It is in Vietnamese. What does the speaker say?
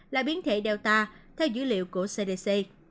là biến thể delta theo dữ liệu của cdc